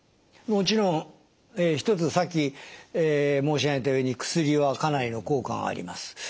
もちろん一つさっき申し上げたように薬はかなりの効果があります。